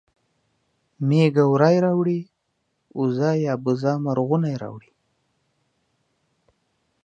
مېږه وری راوړي اوزه یا بزه مرغونی راوړي